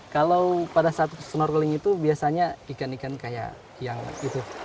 kalau pada saat snorkeling itu biasanya ikan ikan kayak yang itu